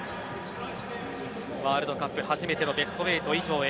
ワールドカップ初めてのベスト８以上へ。